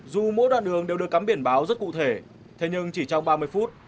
dù mỗi đoạn đường đều được cắm biển báo rất cụ thể thế nhưng chỉ trong ba mươi phút